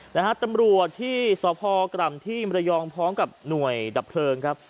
นะฮะตำรวจที่สพกล่ำที่มรยองพร้อมกับหน่วยดับเพลิงครับ